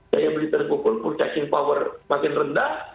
daya beli terpukul purchasing power makin rendah